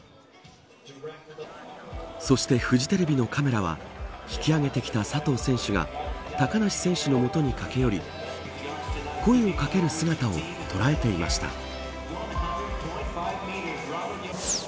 そして、フジテレビのカメラは引きあげてきた佐藤選手が高梨選手の元に駆け寄り声をかける姿を捉えていました。